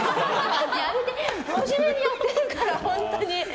まじめにやってるから、本当に。